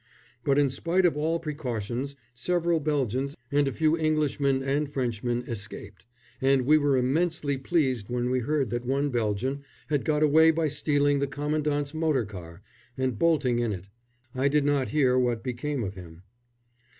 But in spite of all precautions several Belgians and a few Englishmen and Frenchmen escaped, and we were immensely pleased when we heard that one Belgian had got away by stealing the commandant's motor car and bolting in it. I did not hear what became of him.